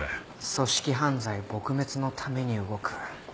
組織犯罪撲滅のために動く